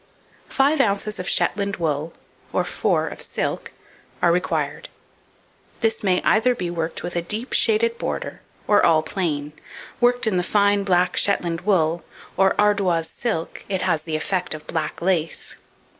Five ounces of Shetland wool, or 4 of silk, are required. This may either be worked with a deep shaded border or all plain; worked in the fine black Shetland wool or Ardoise silk, it has the effect of black lace.